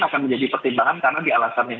akan menjadi pertimbangan